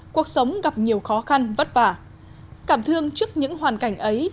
cuộc sống gặp nhiều khó khăn vất vả cảm thương trước những hoàn cảnh ấy